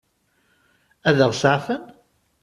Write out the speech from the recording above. Ad ɣ-seɛfen?